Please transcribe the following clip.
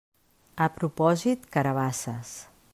A propòsit carabasses.